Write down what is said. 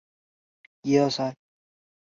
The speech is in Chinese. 干扰素伽玛是水溶性二聚体的细胞因子。